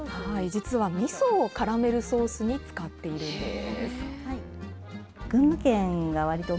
実はみそをカラメルソースに使っているんです。